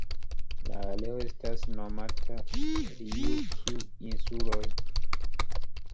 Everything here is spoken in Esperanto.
La areo estas nomata Rjukju-insuloj.